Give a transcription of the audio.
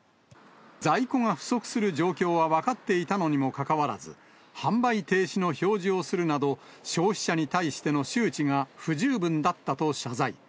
在庫が不足する状況は分かっていたのにもかかわらず、販売停止の表示をするなど、消費者に対しての周知が不十分だったと謝罪。